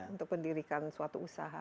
untuk pendirikan suatu usaha